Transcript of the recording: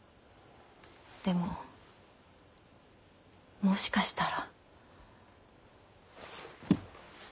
でももしかしたら。